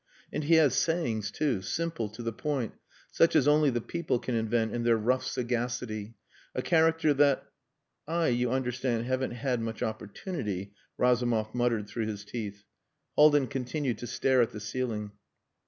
And he has sayings too simple, to the point, such as only the people can invent in their rough sagacity. A character that...." "I, you understand, haven't had much opportunity...." Razumov muttered through his teeth. Haldin continued to stare at the ceiling.